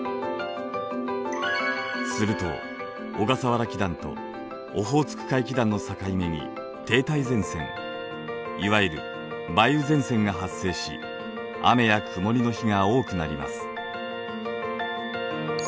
すると小笠原気団とオホーツク海気団の境目に停滞前線いわゆる梅雨前線が発生し雨や曇りの日が多くなります。